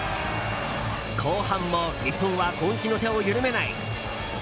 後半も日本は攻撃の手を緩めない。